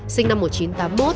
sinh năm một mươi một